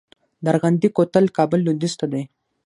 د ارغندې کوتل کابل لویدیځ ته دی